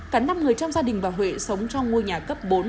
cả năm người trong gia đình bà huệ sống trong ngôi nhà cấp bốn